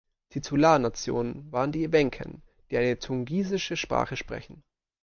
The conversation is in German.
Titularnation waren die Ewenken, die eine tungusische Sprache sprechen.